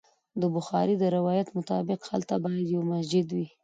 د بخاري د روایت مطابق هلته باید یو مسجد وي.